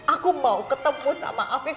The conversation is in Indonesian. aku mau ketemu sama afiq